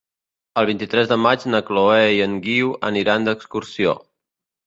El vint-i-tres de maig na Chloé i en Guiu aniran d'excursió.